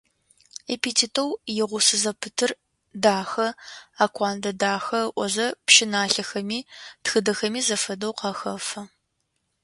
Эпитетэу игъусэ зэпытыр «дахэ» - «Акуандэ-дахэ», ыӏозэ пщыналъэхэми тхыдэхэми зэфэдэу къахэфэ.